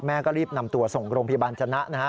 แม่ก็รีบนำตัวส่งโรงพยาบาลจนะนะฮะ